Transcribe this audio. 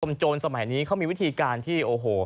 จงโจรสมัยนี้เค้ามีวิธีการที่